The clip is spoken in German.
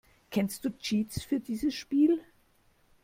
Kennst du Cheats für dieses Spiel?